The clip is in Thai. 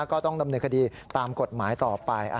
ก็ต้องดำเนินคดีตามกฎหมายต่อไป